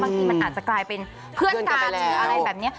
บางทีมันอาจจะกลายเป็นเพื่อนกันหรืออะไรแบบนี้